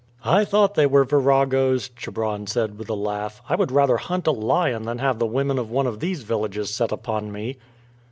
"I thought they were viragoes," Chebron said with a laugh. "I would rather hunt a lion than have the women of one of these villages set upon me."